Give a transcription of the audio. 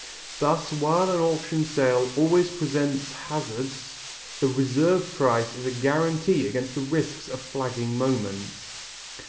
Thus while an auction sale always presents hazards, the reserve price is a guarantee against the risks of flagging moments.